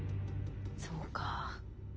そうか。